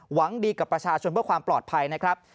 หวังดีกับประชาชนเพื่อความปลอดภัยนะครับ